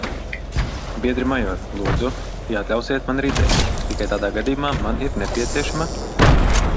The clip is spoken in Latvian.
-Biedri, major. -Lūdzu? -Ja atļausiet, man ir ideja. Tikai tādā gadījumā man ir nepieciešama...